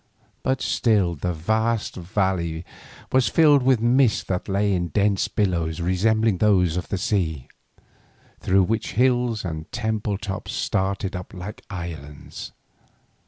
But still the vast valley was filled with mist that lay in dense billows resembling those of the sea, through which hills and temple tops started up like islands.